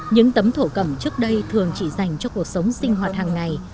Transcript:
những tấm thổ cầm trước đây thường chỉ dành cho cuộc sống sinh hoạt hàng ngày